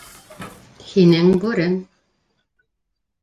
Һинең бүрең...